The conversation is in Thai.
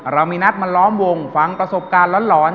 เรามีนัดมาล้อมวงฟังประสบการณ์หลอน